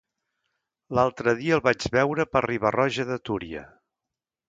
L'altre dia el vaig veure per Riba-roja de Túria.